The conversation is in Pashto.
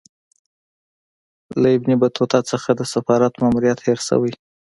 له ابن بطوطه څخه د سفارت ماموریت هېر سوی.